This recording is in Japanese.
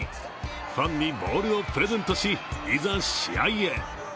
ファンにボールをプレゼントしいざ、試合へ。